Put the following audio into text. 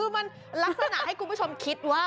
คือมันลักษณะให้คุณผู้ชมคิดว่า